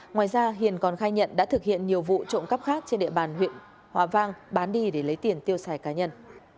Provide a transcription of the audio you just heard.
ngoài ra hiền còn khai nhận đã thực hiện nhiều vụ trộm cắp khác trên địa bàn huyện hòa vang bán đi để lấy tiền tiêu xài cá nhân